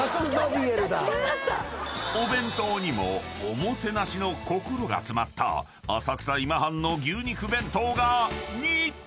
［お弁当にもおもてなしの心が詰まった「浅草今半」の牛肉弁当が２位！］